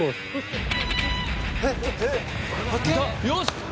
よし！